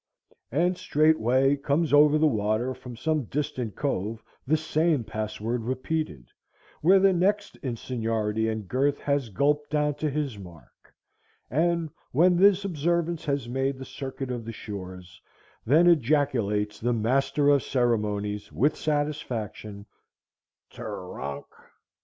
_ and straightway comes over the water from some distant cove the same password repeated, where the next in seniority and girth has gulped down to his mark; and when this observance has made the circuit of the shores, then ejaculates the master of ceremonies, with satisfaction, _tr r r oonk!